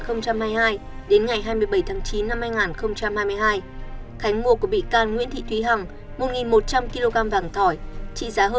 khánh mua của bị can nguyễn thị thúy hằng một một trăm linh kg vàng thỏi